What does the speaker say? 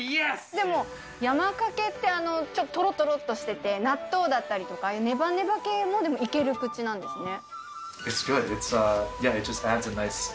でも、山かけってちょっととろとろっとしてて、納豆だったりとか、ねばねば系もでもいける口なんですね。